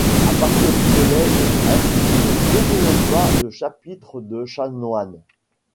À partir du collège des prêtres se développa le chapitre de chanoines.